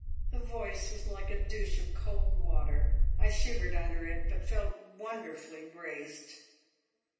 The voice was like a douche of cold water. I shivered under it, but felt wonderfully braced.